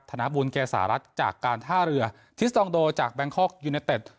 พนักบุญแก่สหรัฐจากการท่าเรือทิสตองโดจากยูเน็ตเด็ด